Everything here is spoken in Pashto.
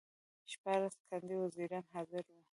شپاړس کاندید وزیران حاضر وو.